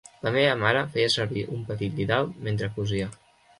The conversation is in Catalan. La meva mare feia servir un petit didal mentre cosia.